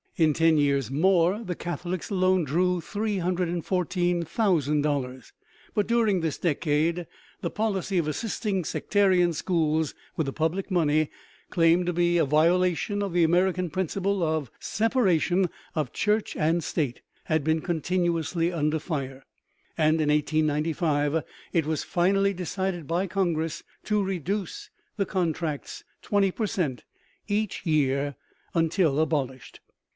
In ten years more the Catholics alone drew $314,000. But, during this decade, the policy of assisting sectarian schools with the public money, claimed to be a violation of the American principle of separation of Church and State, had been continuously under fire; and in 1895 it was finally decided by Congress to reduce the contracts 20 per cent. each year until abolished.